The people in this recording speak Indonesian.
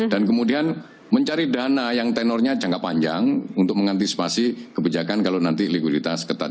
dan kemudian mencari dana yang tenornya jangka panjang untuk mengantisipasi kebijakan kalau nanti likuiditas ketat